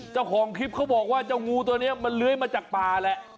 เจ้าของคลิปเขาบอกว่าเจ้างูตัวนี้มันเลื้อยมาจากป่าแหละ